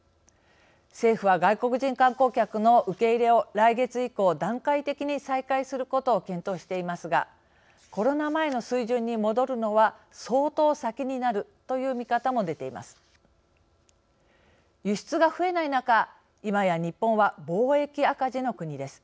政府は外国人観光客の受け入れを来月以降、段階的に再開することを検討していますがコロナ前の水準に戻るのは相当先になるという見方も出ています。